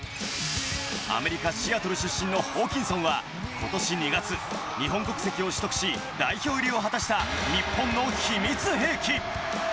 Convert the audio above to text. アメリカ・シアトル出身のホーキンソンはことし２月、日本国籍を取得し、代表入りを果たした日本の秘密兵器。